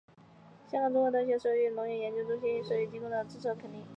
香港中文大学手语及聋人研究中心推行手语双语的模式获多间机构的支持和肯定。